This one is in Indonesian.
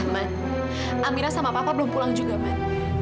man aminah sama papa belum pulang juga man